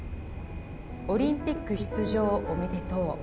オリンピック出場おめでとう！